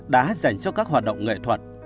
đã hát dành cho các hoạt động nghệ thuật